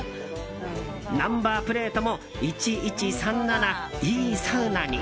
ナンバープレートも１１３７、いいサウナに。